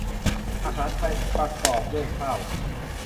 อาหารไทยประกอบด้วยข้าว